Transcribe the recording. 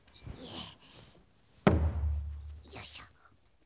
よいしょ。